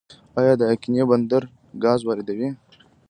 آیا د اقینې بندر ګاز واردوي؟